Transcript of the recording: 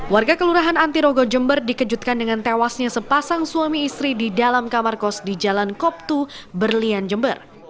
warga kelurahan anti rogo jember dikejutkan dengan tewasnya sepasang suami istri di dalam kamar kos di jalan koptu berlian jember